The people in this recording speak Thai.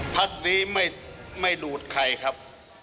พักนี้ไม่ดูดใครครับ